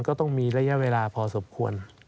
ก็ต้องมีระยะเวลาพอสมควร